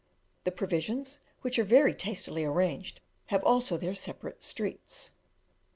The provisions, which are very tastily arranged, have also their separate streets.